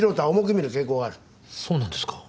そうなんですか。